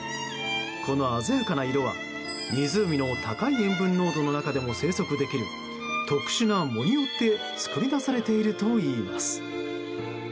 この鮮やかな色は湖の高い塩分濃度の中でも生息できる特殊な藻によって作り出されているといいます。